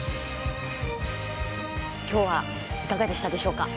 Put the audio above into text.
今日はいかがでしたでしょうか？